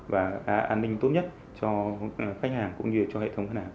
và an ninh tốt nhất cho khách hàng cũng như cho hệ thống ngân hàng